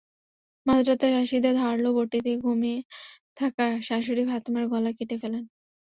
মাঝরাতে রশিদা ধারালো বঁটি দিয়ে ঘুমিয়ে থাকা শাশুড়ি ফাতেমার গলা কেটে ফেলেন।